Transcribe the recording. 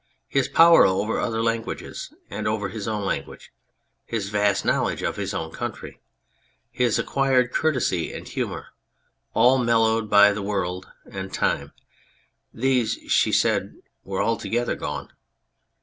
His power over other languages and over his own language, his vast knowledge of his own county, his acquired courtesy and humour, all mellowed by the world and time, these, she said, were altogether gone.